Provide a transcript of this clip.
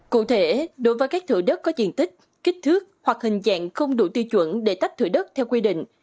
cụ thể đối với các thủ đất có diện tích kích thước hoặc hình dạng không đủ tiêu chuẩn để tách thủi đất theo quy định